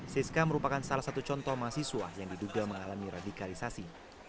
siska merupakan salah satu contoh mahasiswa yang diduga mengalami radikalisasi